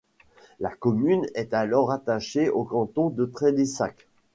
La commune est alors rattachée au canton de Trélissac.